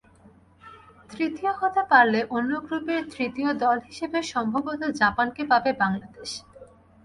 তৃতীয় হতে পারলে অন্য গ্রুপের তৃতীয় দল হিসেবে সম্ভবত জাপানকে পাবে বাংলাদেশ।